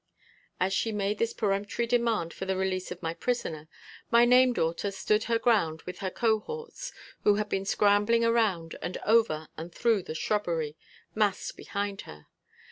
As she made this peremptory demand for the release of my prisoner, my name daughter stood her ground with her cohorts, who had been scrambling around and over and through the shrubbery, massed behind her.